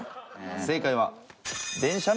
正解は。